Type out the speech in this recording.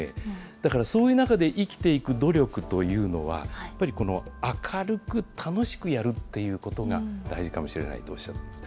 だから、そういう中で生きていく努力というのは、やっぱりこの明るく楽しくやるということが大事かもしれないとおっしゃってまし